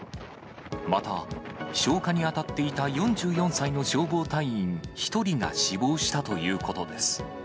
また消火に当たっていた４４歳の消防隊員１人が死亡したということです。